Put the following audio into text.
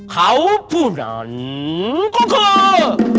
เขาผู้นั้นก็คือ